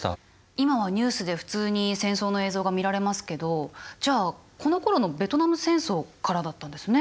今はニュースで普通に戦争の映像が見られますけどじゃあこのころのベトナム戦争からだったんですね。